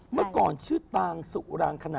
เมื่อก่อนชื่อตางสุรางคณะ